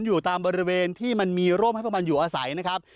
อยู่ตามบริเวณที่มันมีร่มให้พวกมันอยู่อาศัยนะครับ